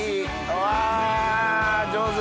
うわ上手！